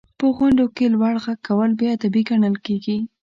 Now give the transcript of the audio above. • په غونډو کې لوړ ږغ کول بې ادبي ګڼل کېږي.